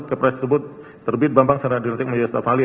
kepres tersebut terbit bambang sering dihentik menjadi staf ahli